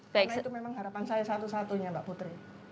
karena itu memang harapan saya satu satunya mbak putri